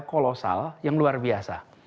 kolosal yang luar biasa